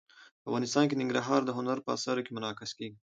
افغانستان کې ننګرهار د هنر په اثار کې منعکس کېږي.